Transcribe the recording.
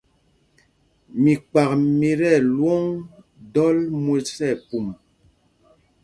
Mikpak mí tí ɛlwôŋ ɗɔl mwes nɛ pum.